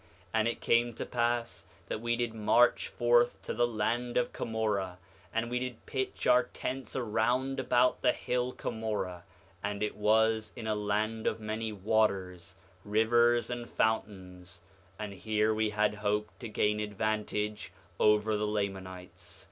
6:4 And it came to pass that we did march forth to the land of Cumorah, and we did pitch our tents around about the hill Cumorah; and it was in a land of many waters, rivers, and fountains; and here we had hope to gain advantage over the Lamanites.